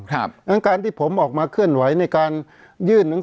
เพราะฉะนั้นประชาธิปไตยเนี่ยคือการยอมรับความเห็นที่แตกต่าง